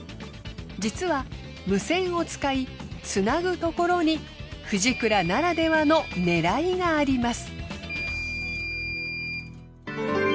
実は無線を使いつなぐところにフジクラならではの狙いがあります。